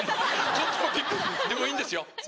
でもいいんですよ。